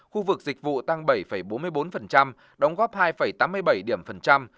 khu vực dịch vụ tăng bảy bốn mươi bốn đóng góp hai tám mươi bảy điểm